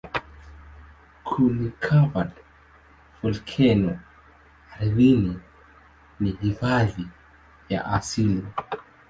Kuni-covered volkeno ardhini ni hifadhi ya asili.